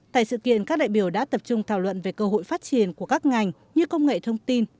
tại sự kiện các đại biểu đã tập trung thảo luận về cơ hội phát triển của các ngành như công nghệ thông tin